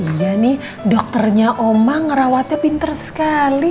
iya nih dokternya oma ngerawatnya pinter sekali